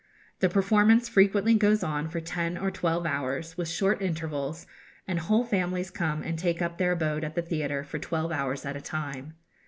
The performance frequently goes on for ten or twelve hours, with short intervals and whole families come and take up their abode at the theatre for twelve hours at a time.